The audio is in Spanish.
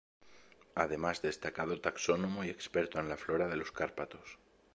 Además destacado taxónomo y experto en la flora de los Cárpatos.